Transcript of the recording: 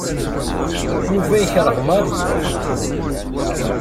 Yuba yekṛeh Mary.